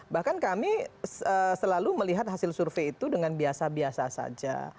bahkan kami selalu melihat hasil survei itu dengan biasa biasa saja